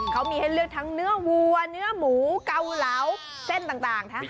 เขามีให้เลือกทั้งเนื้อวัวเนื้อหมูเกาเหลาเส้นต่างนะ